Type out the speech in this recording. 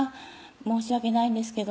申し訳ないんですけど」